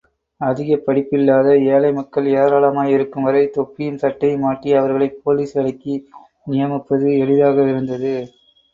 அதிகப் படிப்பில்லாத ஏழை மக்கள் ஏராளமாயிருக்கும் வரை தொப்பியும் சட்டையும் மாட்டி அவர்களைப் போலீஸ் வேலைக்கு நியமிப்பது எளிதாகவிருந்தது.